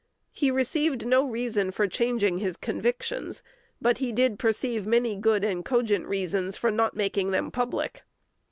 He perceived no reason for changing his convictions, but he did perceive many good and cogent reasons for not making them public.